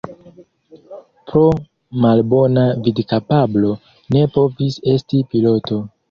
Pro malbona vidkapablo ne povis esti piloto.